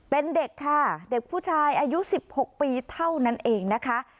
เป็นเด็กค่ะเด็กผู้ชายอายุ๑๖ปีเท่านั้นเองนะคะ